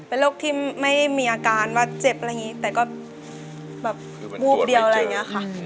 เป็นโรคที่ไม่มีอาการว่าเจ็บอะไรอย่างนี้แต่ก็แบบวูบเดียวอะไรอย่างนี้ค่ะ